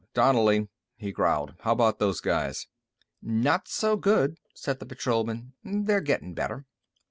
"Hm m m. Donnelly," he growled. "How about those guys?" "Not so good," said the patrolman. "They're gettin' better."